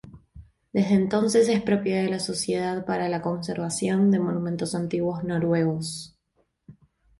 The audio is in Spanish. Desde entonces es propiedad de la Sociedad para la Conservación de Monumentos Antiguos Noruegos.